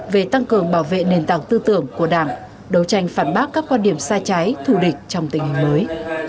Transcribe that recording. về tăng cường bảo vệ nền tảng tư tưởng của đảng đấu tranh phản bác các quan điểm sai trái thù địch trong tình hình mới